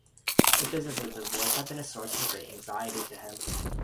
The business of the divorce had been a source of great anxiety to him.